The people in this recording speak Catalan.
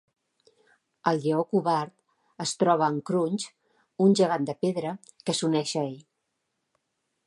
El Lleó Covard es troba amb Crunch, un gegant de pedra, que s'uneix a ell.